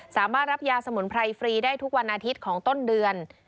รับยาสมุนไพรฟรีได้ทุกวันอาทิตย์ของต้นเดือน